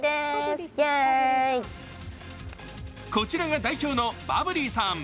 こちらが代表のバブリーさん。